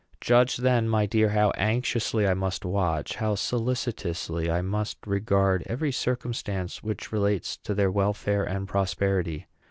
Judge, then, my dear, how anxiously I must watch, how solicitously I must regard, every circumstance which relates to their welfare and prosperity!